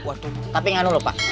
waduh tapi enggak dulu pak